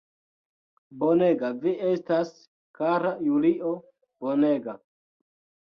Bonega vi estas, kara Julio, bonega!